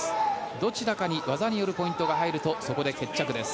どちらかに技によるポイントが入るとそこで決着です。